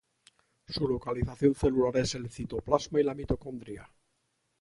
Su localización celular es el citoplasma y la mitocondria.